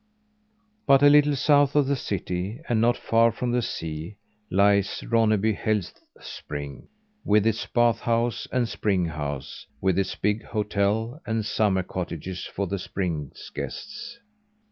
But a little south of the city and not far from the sea, lies Ronneby health spring, with its bath house and spring house; with its big hotel and summer cottages for the spring's guests.